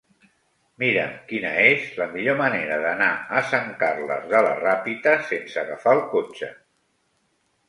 Mira'm quina és la millor manera d'anar a Sant Carles de la Ràpita sense agafar el cotxe.